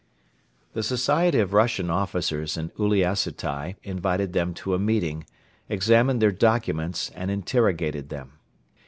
The society of Russian officers in Uliassutai invited them to a meeting, examined their documents and interrogated them.